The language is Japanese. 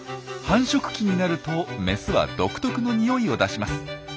繁殖期になるとメスは独特のにおいを出します。